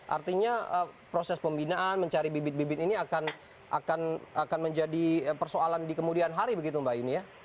artinya proses pembinaan mencari bibit bibit ini akan menjadi persoalan di kemudian hari begitu mbak yuni ya